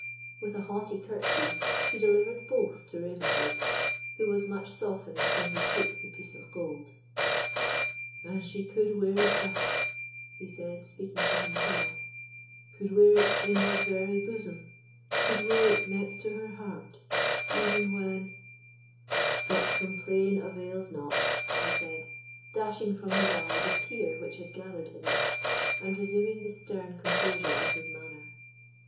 With a haughty courtesy, she delivered both to Ravenswood, who was much softened when he took the piece of gold. "And she could wear it thus," he said, speaking to himself—"could wear it in her very bosom—could wear it next to her heart—even when—But complaint avails not," he said, dashing from his eye the tear which had gathered in it, and resuming the stern composure of his manner.